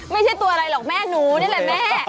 ไม่ใช่ตัวอะไรหรอกแม่หนูนี่แหละแม่